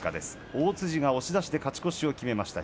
大辻が押し出しで勝ち越しを決めました。